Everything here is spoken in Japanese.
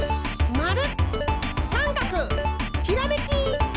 まる！